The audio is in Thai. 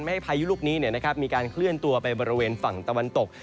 ให้พายุลูกนี้มีการเคลื่อนตัวไปบริเวณฝั่งตะวันตก